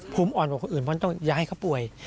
ภูมิอ่อนกว่าคนอื่นมันต้องอย่าให้เขาป่วย